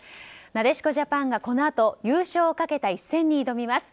なでしこジャパンがこのあと優勝をかけた一戦に挑みます。